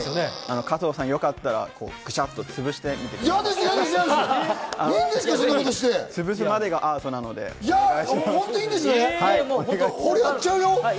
加藤さん、よかったらグシャっと潰してみてください。